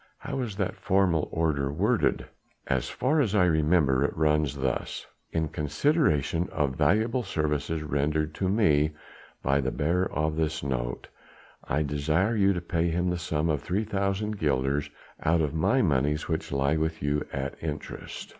"How is that formal order worded?" "As far as I remember it runs thus: 'In consideration of valuable services rendered to me by the bearer of this note, I desire you to pay him the sum of 3,000 guilders out of my monies which lie with you at interest.'